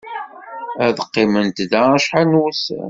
Ad qqiment da acḥal n wussan.